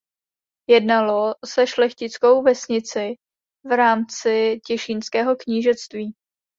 Jednalo se šlechtickou vesnici v rámci těšínského knížectví.